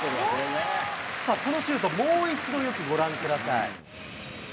さあ、このシュート、もう一度よくご覧ください。